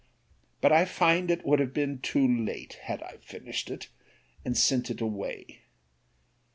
But I find it would have been too late, had I finished it, and sent it away.